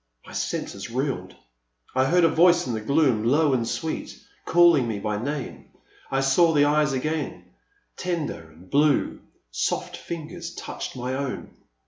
My senses reeled. I heard a voice in the gloom, low and sweet, calling me by name ; I saw the eyes again, tender and blue ; soft fingers touched my own.